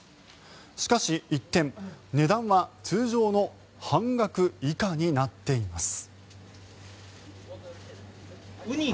しかし一転、値段は通常の半額以下になっています。